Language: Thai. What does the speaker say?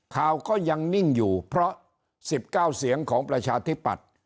ข่าวก็ยังนิ่งอยู่เพราะ๑๙เสียงของประชาธิปัตย์